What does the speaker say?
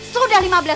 sudah lima belas juta